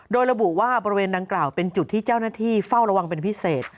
โดยระบุว่าบริเวณดังกล่าวเป็นจุดที่เจ้าหน้าที่เฝ้าระวังเป็นพิเศษ